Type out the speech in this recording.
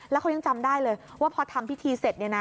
แล้วเขายังจำได้เลยว่าพอทำพิธีเสร็จเนี่ยนะ